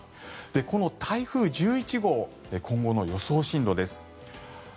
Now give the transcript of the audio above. この台風１１号今後の予想進路です。